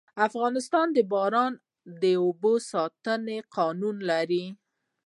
افغانستان د باران د اوبو د ساتنې قوانين لري.